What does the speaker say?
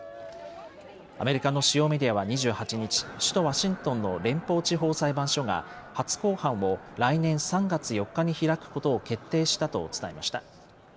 アメリカの主要メディアは２８日、首都ワシントンの連邦地方裁判所が初公判を来年３月４日に開くことを決定したと伝えました。